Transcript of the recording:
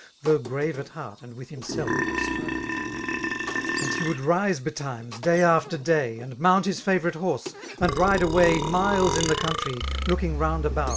Though grave at heart and with himself tt strifo; And he would rise betimes, day after day> And mount hifi favourite horse, and ride away Miles in the opuptry> looking round about.